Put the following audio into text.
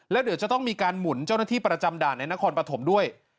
แล้วเดี๋ยวจะต้องมีการหมุนเจ้าหน้าที่ประจำด่านในนครปฐมด้วย